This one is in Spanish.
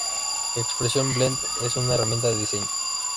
Expression Blend, es una herramienta de diseño.